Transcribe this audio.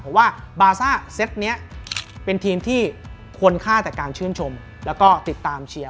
เพราะว่าบาซ่าเซตนี้เป็นทีมที่ควรค่าแต่การชื่นชมแล้วก็ติดตามเชียร์